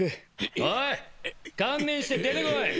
おい観念して出てこい！